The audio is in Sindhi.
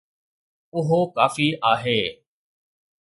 اهو ڪافي آهي.